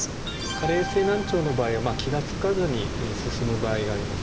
加齢性難聴の場合は気が付かずに進む場合があります。